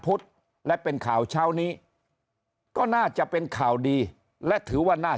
และเป็นข่าวเช้านี้ก็น่าจะเป็นข่าวดีและถือว่าน่า